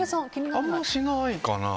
あんまり気にしないかな。